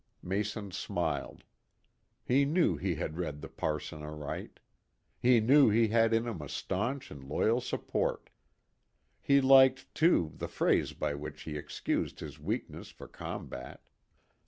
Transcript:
Mason smiled. He knew he had read the parson aright. He knew he had in him a staunch and loyal support. He liked, too, the phrase by which he excused his weakness for combat.